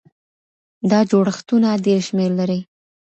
دا جوړښتونه ډېر شمېر لري.